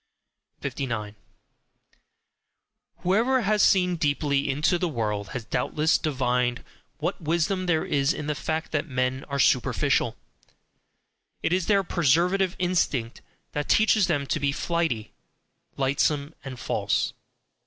59. Whoever has seen deeply into the world has doubtless divined what wisdom there is in the fact that men are superficial. It is their preservative instinct which teaches them to be flighty, lightsome, and false.